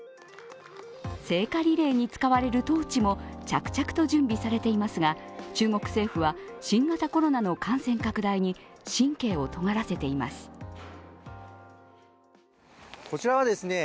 聖火リレーに使われるトーチも着々と準備されていますが中国政府は新型コロナの感染拡大に神経をとがらせています。